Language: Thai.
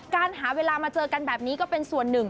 การหาเวลามาเจอกันแบบนี้ก็เป็นส่วนหนึ่ง